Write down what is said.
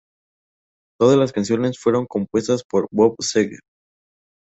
Todas las canciones fueron compuestas por Bob Seger.